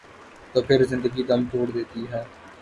تو پھر زندگی دم توڑ دیتی ہے۔